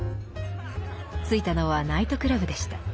着いたのはナイトクラブでした。